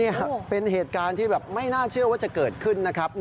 นี่เป็นเหตุการณ์ที่แบบไม่น่าเชื่อว่าจะเกิดขึ้นนะครับ